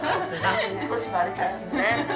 年ばれちゃいますね。